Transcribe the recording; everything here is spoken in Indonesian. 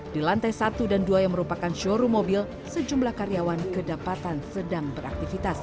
di lantai satu dan dua yang merupakan showroom mobil sejumlah karyawan kedapatan sedang beraktivitas